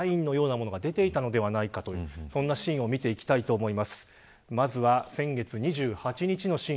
すでに大谷選手にすでにサインのようなものが出ていたのではないかというシーンを見ていきたいと思います。